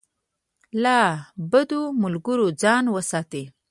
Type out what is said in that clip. له بدو ملګرو ځان وساتئ.